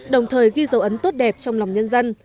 đồng thời ghi dấu ấn tốt đẹp trong lòng nhân dân